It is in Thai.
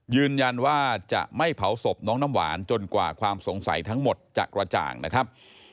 ยืนยันว่าจะไม่เผาศพน้องน้ำหวานจนกว่าความสงสัยทั้งหมดจะกระจ่างนะครับ